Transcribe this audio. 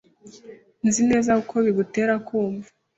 Nzi neza uko bigutera kumva.